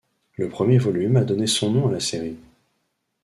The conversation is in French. Le premier volume a donné son nom à la série.